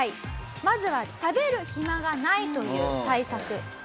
まずは食べる暇がないという対策。